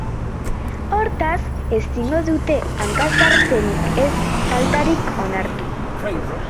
Hortaz, ezingo dute hanka-sartzerik ez faltarik onartu.